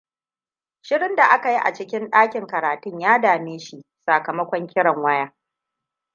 Shirun da aka yi a cikin dakin karatun ya dame shi sakamakon kiran waya.